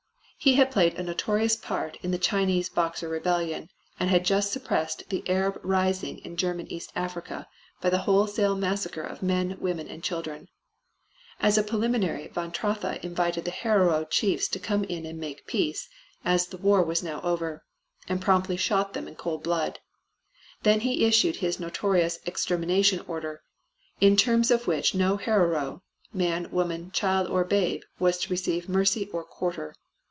He had played a notorious part in the Chinese Boxer rebellion, and had just suppressed the Arab rising in German East Africa by the wholesale massacre of men, women, and children. As a preliminary von Trotha invited the Herero chiefs to come in and make peace, "as the war was now over," and promptly shot them in cold blood. Then he issued his notorious "extermination order," in terms of which no Herero man, woman, child, or babe was to receive mercy or quarter.